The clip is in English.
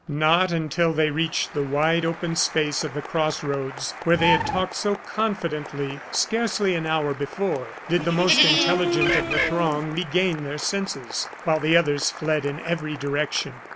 Not until they reached the wide open space of the cross roads, where they had talked so confidently scarcely an hour before, did the most intelligent of the throng regain their senses, while the others fled in every direction.